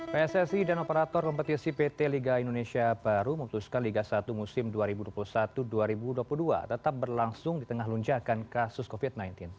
pssi dan operator kompetisi pt liga indonesia baru memutuskan liga satu musim dua ribu dua puluh satu dua ribu dua puluh dua tetap berlangsung di tengah lonjakan kasus covid sembilan belas